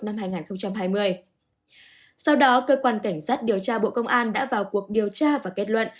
năm hai nghìn hai mươi sau đó cơ quan cảnh sát điều tra bộ công an đã vào cuộc điều tra và kết luận